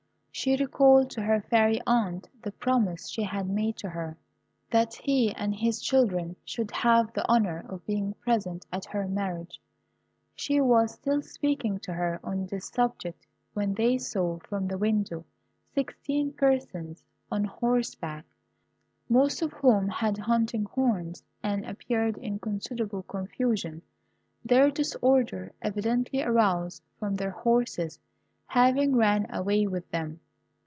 She recalled to her fairy aunt the promise she had made to her, that he and his children should have the honour of being present at her marriage. She was still speaking to her on this subject when they saw from the window sixteen persons on horseback, most of whom had hunting horns, and appeared in considerable confusion. Their disorder evidently arose from their horses having ran away with them.